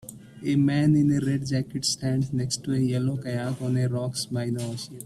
a man in a red jacket stands next to a yellow kayak on rocks by the ocean.